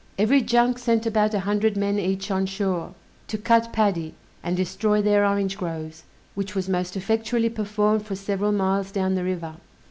Every junk sent about a hundred men each on shore, to cut paddy, and destroy their orange groves, which was most effectually performed for several miles down the river.